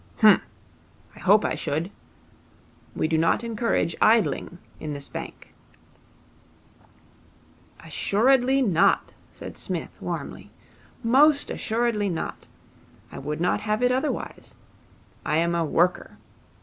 'H'm. I hope I should. We do not encourage idling in this bank.' 'Assuredly not,' said Psmith warmly. 'Most assuredly not. I would not have it otherwise. I am a worker.